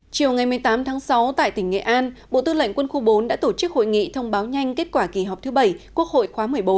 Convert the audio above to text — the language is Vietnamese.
chiều ngày một mươi tám tháng sáu tại tỉnh nghệ an bộ tư lệnh quân khu bốn đã tổ chức hội nghị thông báo nhanh kết quả kỳ họp thứ bảy quốc hội khóa một mươi bốn